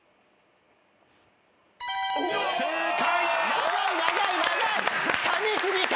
正解！